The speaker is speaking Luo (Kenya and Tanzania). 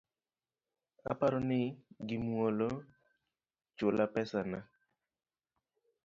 Aparo ni gi mwolo, chula pesana